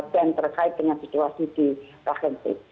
dan terkait dengan situasi di bahagia